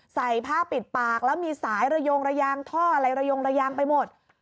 ใส่ผ้าปิดปากแล้วมีสายระยงระยางท่ออะไรระยงระยางไปหมด